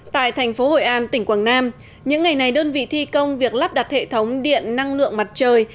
tại thành phố hội an tỉnh quảng nam những ngày này đơn vị thi công việc lắp đặt hệ thống điện năng lượng mặt trời